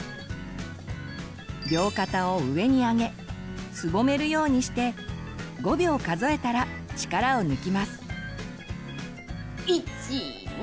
両肩を上にあげすぼめるようにして５秒数えたら力を抜きます。